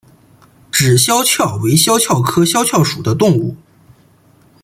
脂肖峭为肖峭科肖峭属的动物。